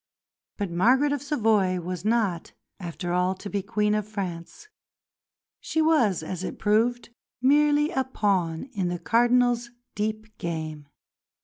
But Margaret of Savoy was not after all to be Queen of France. She was, as it proved, merely a pawn in the Cardinal's deep game.